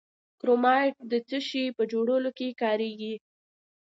کرومایټ د څه شي په جوړولو کې کاریږي؟